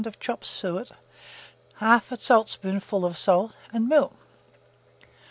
of chopped suet, 1/2 saltspoonful of salt, milk.